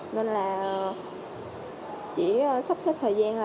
nên là chỉ sắp xếp thời gian